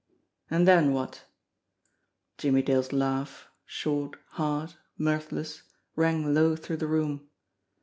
And then, what? Jimmie Dale's laugh, short, hard, mirthless, rang low through the room.